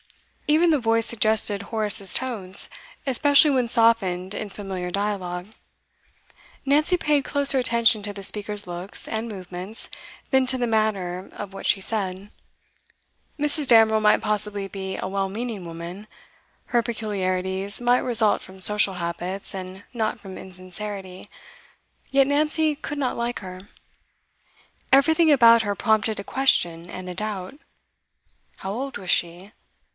Even the voice suggested Horace's tones, especially when softened in familiar dialogue. Nancy paid closer attention to the speaker's looks and movements than to the matter of what she said. Mrs. Damerel might possibly be a well meaning woman her peculiarities might result from social habits, and not from insincerity; yet Nancy could not like her. Everything about her prompted a question and a doubt. How old was she?